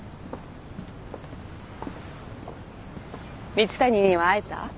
蜜谷には会えた？